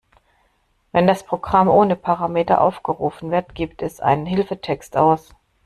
Wenn das Programm ohne Parameter aufgerufen wird, gibt es einen Hilfetext aus.